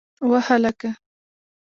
وه هلکه!